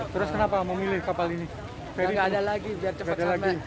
terus kenapa memilih kapal ini tidak ada lagi biar cepet cepet